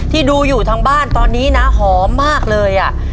ดูอยู่ทางบ้านตอนนี้นะหอมมากเลยอ่ะ